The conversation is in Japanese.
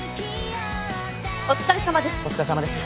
お疲れさまです。